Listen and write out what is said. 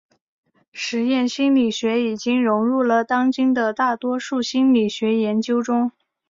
实验心理学已经融入了当今的大多数心理学研究中。